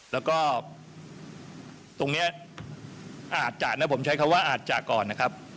แล้วก็ตรงนี้อาจจะนะผมใช้คำว่าอาจจะก่อนนะครับ